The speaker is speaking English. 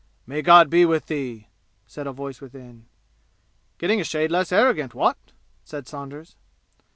"May God be with thee!" said a voice within. "Gettin' a shade less arrogant, what?" said Saunders.